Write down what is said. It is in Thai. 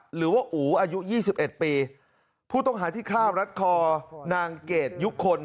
หรือว่าอู๋อายุยี่สิบเอ็ดปีผู้ต้องหาที่ฆ่ารัดคอนางเกดยุคคล